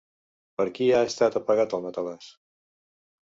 Per qui ha estat apagat el matalàs?